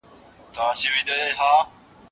د کومې پېغلې د کوزدې دسمال به وړينه